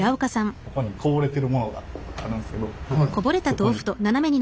ここにこぼれてるものがあるんですけどそこに。